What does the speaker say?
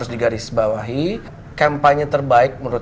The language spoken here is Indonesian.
jadi gak pernah kentut